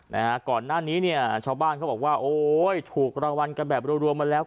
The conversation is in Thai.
นะฮะก่อนหน้านี้เนี่ยชาวบ้านเขาบอกว่าโอ้ยถูกรางวัลกันแบบรวมรวมมาแล้ว